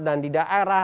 dan di daerah